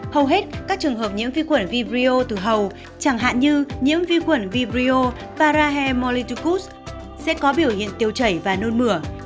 hầu hết các trường hợp nhiễm vi khuẩn vibrio từ hầu chẳng hạn như nhiễm vi khuẩn vibrio parahe molitucos sẽ có biểu hiện tiêu chảy và nôn mửa